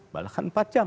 bahkan empat jam